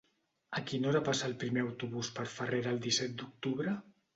A quina hora passa el primer autobús per Farrera el disset d'octubre?